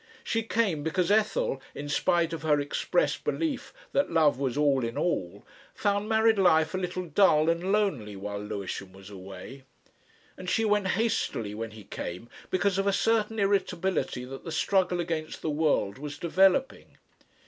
She came because Ethel, in spite of her expressed belief that love was "all in all," found married life a little dull and lonely while Lewisham was away. And she went hastily when he came, because of a certain irritability that the struggle against the world was developing.